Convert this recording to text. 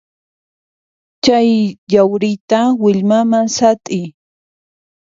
Chay yawrita willmaman sat'iy.